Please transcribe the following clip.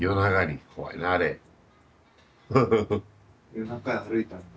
夜中歩いたんだ。